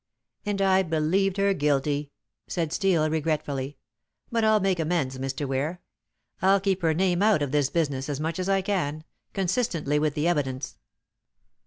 "And I believed her guilty," said Steel regretfully; "but I'll make amends, Mr. Ware. I'll keep her name out of this business as much as I can, consistently with the evidence."